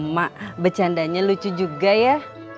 mak bercandanya lucu juga ya